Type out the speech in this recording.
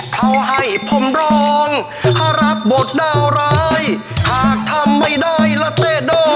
เขาให้ผมร้องหรือรับบทดาวร้ายหากทำไม่ได้ล่ะเจ๊ดอง